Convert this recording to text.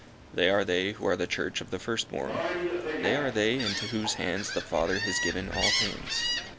They are they who are the Church of the first born. They are they into whose hands the Father has given all things.